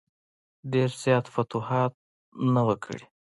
ډېر زیات فتوحات نه وه کړي.